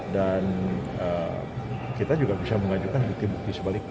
dan kita juga bisa mengajukan bukti bukti sebaliknya